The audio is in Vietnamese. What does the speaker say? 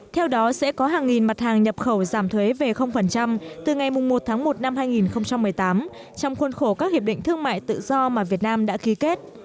theo đó sẽ có hàng nghìn mặt hàng nhập khẩu giảm thuế về từ ngày một tháng một năm hai nghìn một mươi tám trong khuôn khổ các hiệp định thương mại tự do mà việt nam đã ký kết